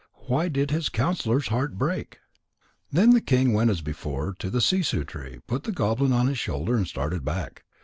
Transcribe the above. Why did his counsellor's heart break?_ Then the king went as before to the sissoo tree, put the goblin on his shoulder, and started back.